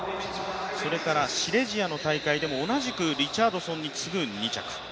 それからシレジアの大会でも同じくリチャードソンに次ぐ２着。